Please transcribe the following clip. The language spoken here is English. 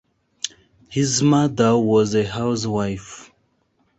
His mother was a housewife.